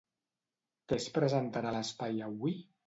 Què es presentarà a l'espai Avui?